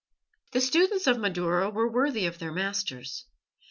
The students of Madaura were worthy of their masters.